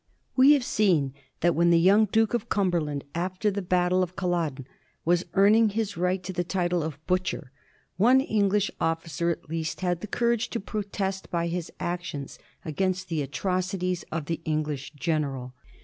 We have seen that, when the young Dake of Camber landy after the battle of Calloden, was earning his right to the title of *^ Butcher," one English officer at least had the courage to protest by his actions against the atrocities of the English general.